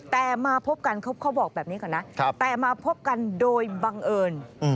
แต่มาพบกันเขาบอกแบบนี้ก่อนนะแต่มาพบกันโดยบังเอิญ